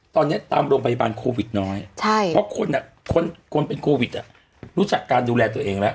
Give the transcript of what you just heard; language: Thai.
ตอนนี้ตามโรงพยาบาลโควิดน้อยเพราะคนเป็นโควิดรู้จักการดูแลตัวเองแล้ว